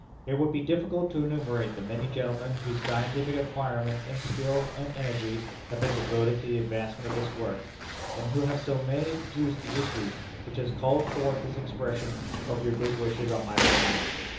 It would be difficult to enumerate the many gentlemen whose scientific acquirements and skill and energy have been devoted to the advancement of this work, and who have so mainly produced the issue which has called forth this expression of your good wishes on my behalf.